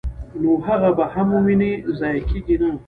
نو هغه به هم وويني، ضائع کيږي نه!!.